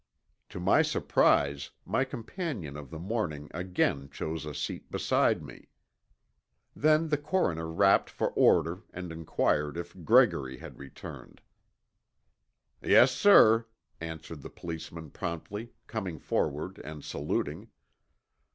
To my surprise my companion of the morning again chose a seat beside me. Then the coroner rapped for order and inquired if Gregory had returned. "Yes, sir," answered the policeman promptly, coming forward and saluting.